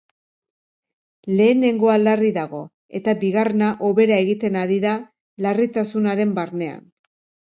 Lehenengoa larri dago, eta bigarrena hobera egiten ari da larritasunaren barnean.